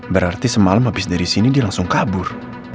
berarti semalam habis dari sini dia langsung kabur